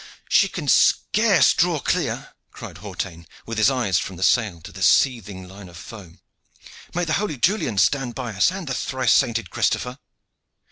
"She can scarce draw clear," cried Hawtayne, with his eyes from the sail to the seething line of foam. "May the holy Julian stand by us and the thrice sainted Christopher!"